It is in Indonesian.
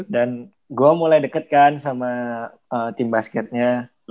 dan gue mulai deket kan sama tim basketnya